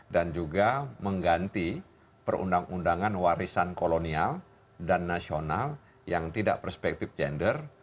dan juga mengganti perundang undangan warisan kolonial dan nasional yang tidak perspektif gender